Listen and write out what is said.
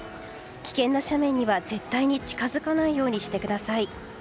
危険な斜面には絶対に近づかないようにしてください。